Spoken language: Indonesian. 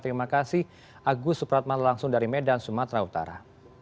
terima kasih agus supratman langsung dari medan sumatera utara